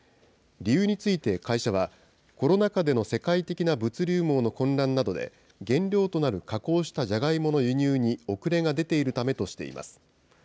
理由について会社は、コロナ禍での世界的な物流網の混乱などで、原料となる加工したジャガイモの輸入に遅れが出ているためとしています。